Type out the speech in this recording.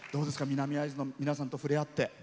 南会津の皆さんと触れ合って。